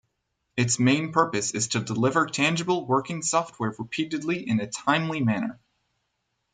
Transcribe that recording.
Its main purpose is to deliver tangible, working software repeatedly in a timely manner.